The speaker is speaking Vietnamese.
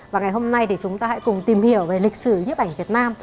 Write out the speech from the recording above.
và ngày hôm nay thì chúng ta hãy cùng tìm hiểu về lịch sử nhiếp ảnh việt nam